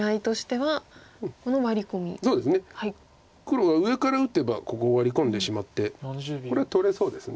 黒は上から打てばここをワリ込んでしまってこれは取れそうです。